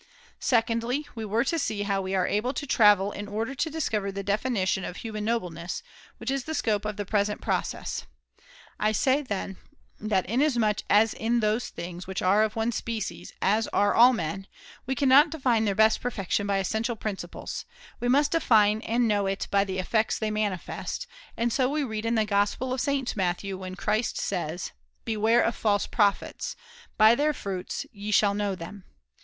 Secondly, [lOo] we were to see how we are to travel in order to discover the definition of human noble ness, which is the scope of the present process. I say, then, that inasmuch as in those things which are of one species, as are all men, we cannot define their best perfection by essential principles, we must define and know it by the effects they manifest ; and so we read in the Gospel of [i lo] St. Matthew when Christ says :* Beware of false prophets ; by their fruits ye shall know them.'